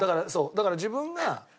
だから自分が。